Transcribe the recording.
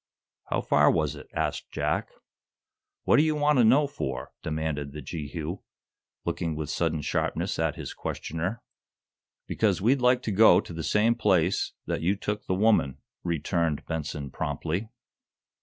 "How far was it?" asked Jack. "What do you want to know for?" demanded the Jehu, looking with sudden sharpness at his questioner. "Because we'd like to go to the same place that you took the woman," returned Benson, promptly.